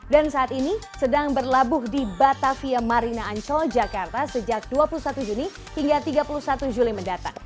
dan saat ini sedang berlabuh di batavia marina ancol jakarta sejak dua puluh satu juni hingga tiga puluh satu juli mendatang